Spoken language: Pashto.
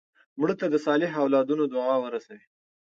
مړه ته د صالح اولادونو دعا ورسوې